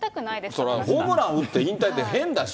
それはホームラン打って引退って変だし。